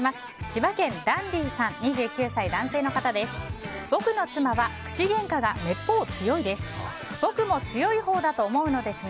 千葉県の２９歳男性の方です。